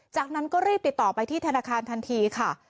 จากนั้นก็รีบติดต่อไปที่ธนาคารทันทีค่ะ